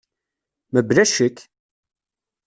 Mebla ccek!